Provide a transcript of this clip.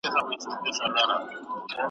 له کلونو یې پر څنډو اوسېدلی `